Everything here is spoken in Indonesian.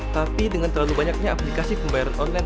tapi dengan terlalu banyaknya aplikasi pembayaran online